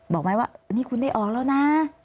บอกไหมว่านี่คุณได้ออกแล้วนะ